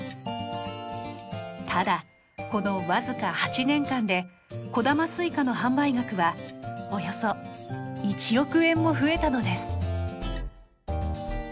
ただこのわずか８年間で小玉スイカの販売額はおよそ１億円も増えたのです。